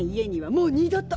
もう二度と！